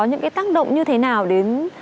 những cái tác động như thế nào đến